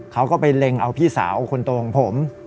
เขาก็ไปเล็งเอาพี่สาวคนโตของผม